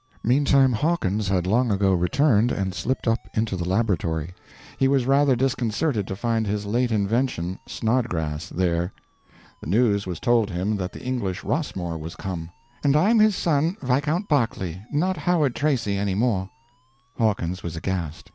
Meantime Hawkins had long ago returned and slipped up into the laboratory. He was rather disconcerted to find his late invention, Snodgrass, there. The news was told him that the English Rossmore was come. —"And I'm his son, Viscount Berkeley, not Howard Tracy any more." Hawkins was aghast.